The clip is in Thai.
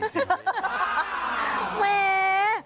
แม่